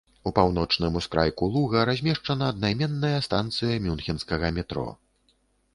У паўночным ускрайку луга размешчана аднайменная станцыя мюнхенскага метро.